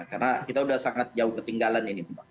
karena kita sudah sangat jauh ketinggalan